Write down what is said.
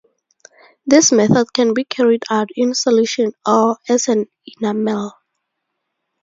This method can be carried out in solution or as an enamel.